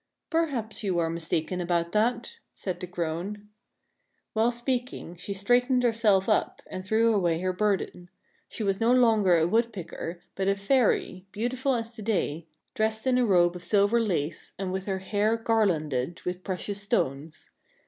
" Perhaps you are mistaken about that," said the crone. While speaking, she straightened herself up, and threw away her burden. She was no longer a wood picker, but a fairy, beautiful as the day, dressed in a robe of silver lace, and with her hair garlanded with precious stones.